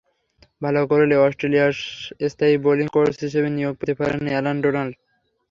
ভালো করলে অস্ট্রেলিয়ার স্থায়ী বোলিং কোচ হিসেবে নিয়োগ পেতে পারেন অ্যালান ডোনাল্ড।